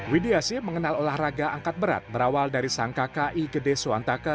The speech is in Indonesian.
widiasi mengenal olahraga angkat berat berawal dari sang kakak igede suantaka